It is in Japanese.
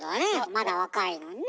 まだ若いのにね。